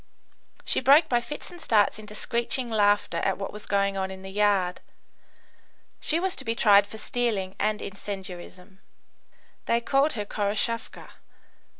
She broke by fits and starts into screeching laughter at what was going on in the yard. She was to be tried for stealing and incendiarism. They called her Khoroshavka.